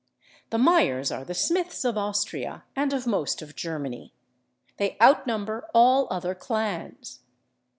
The /Meyers/ are the /Smiths/ of Austria, and of most of Germany. They outnumber all other clans.